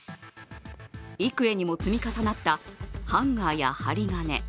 幾重にも積み重なったハンガーや針金。